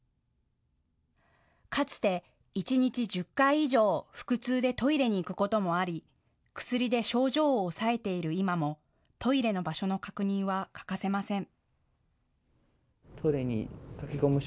かつて一日１０回以上、腹痛でトイレに行くこともあり、薬で症状を抑えている今もトイレの場所の確認は欠かせません。